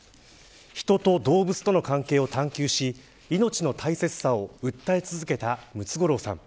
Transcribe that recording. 人と動物との関係を探求し命の大切さを訴え続けたムツゴロウさん。